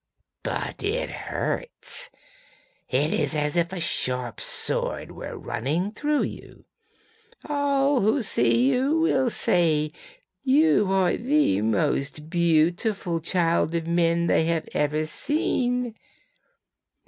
But it hurts; it is as if a sharp sword were running through you. All who see you will say that you are the most beautiful child of man they have ever seen.